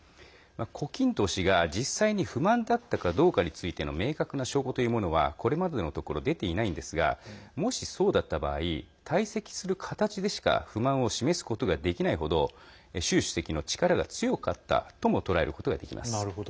胡錦涛氏が実際に不満だったかどうかについての明確な証拠というものはこれまでのところ出ていないんですがもしそうだった場合退席する形でしか不満を示すことができない程習主席の力が強かったともとらえることができます。